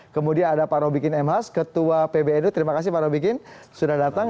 kemudian ada pak robikin m has ketua pbnu terima kasih pak robikin sudah datang